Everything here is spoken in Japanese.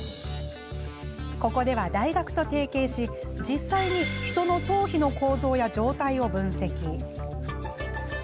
ここでは大学と提携し実際に人の頭皮の構造や状態を分析。